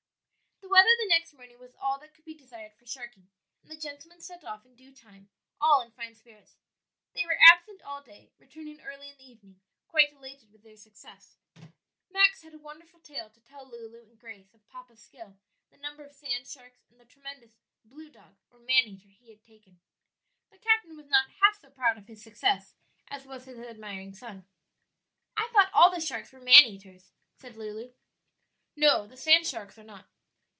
The weather the next morning was all that could be desired for sharking, and the gentlemen set off in due time, all in fine spirits. They were absent all day, returning early in the evening quite elated with their success. Max had a wonderful tale to tell Lulu and Grace of "papa's" skill, the number of sand sharks and the tremendous "blue dog" or man eater he had taken. The captain was not half so proud of his success as was his admiring son. "I thought all the sharks were man eaters," said Lulu. "No, the sand sharks are not."